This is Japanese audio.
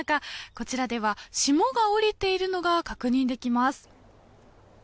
こちらでは霜が降りているのが確認できます。